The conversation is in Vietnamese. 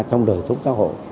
trong đời sống xã hội